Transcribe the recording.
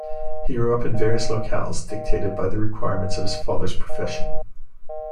He grew up in various locales dictated by the requirements of his father's profession.